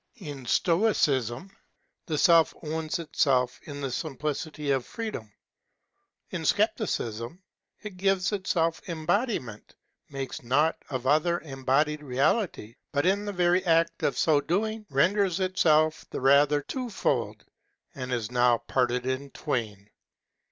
— In Stoicism the Self owns itself in the simplicity of freedom. In Scepticism it gives itself embodiment, makes naught of other embodied reality, but, in the very act of so doing, renders itself the rather twofold and is now parted in twain.